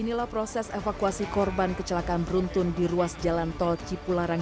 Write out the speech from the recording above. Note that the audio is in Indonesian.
inilah proses evakuasi korban kecelakaan beruntun di ruas jalan tol cipularang